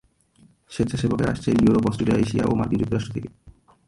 স্বেচ্ছাসেবকেরা আসছেন Europe, Australia, Asia ও মার্কিন যুক্তরাষ্ট্র থেকে।